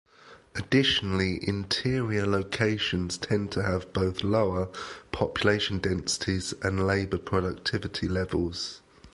Additionally, interior locations tend to have both lower population densities and labor-productivity levels.